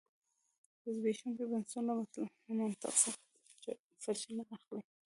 د زبېښونکو بنسټونو له منطق څخه سرچینه اخلي.